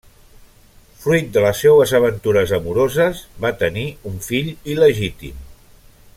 Fruit de les seues aventures amoroses va tenir un fill il·legítim.